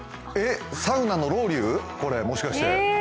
サウナのロウリュ、もしかして。